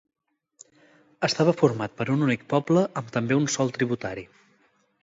Estava format per un únic poble amb també un sol tributari.